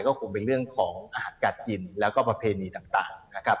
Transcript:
ก็คงเป็นเรื่องของอาหารการกินแล้วก็ประเพณีต่างนะครับ